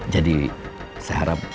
jadi saya harap